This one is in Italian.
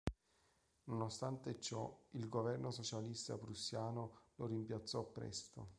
Nonostante ciò il governo socialista prussiano lo rimpiazzò presto.